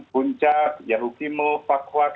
puncak yahukimo pakuak